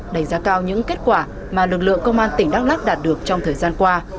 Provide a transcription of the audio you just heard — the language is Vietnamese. đánh giá cao những kết quả mà lực lượng công an tỉnh đắk lắc đạt được trong thời gian qua